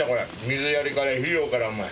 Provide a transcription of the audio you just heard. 水やりから肥料からお前。